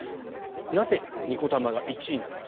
なぜ二子玉が１位なのか。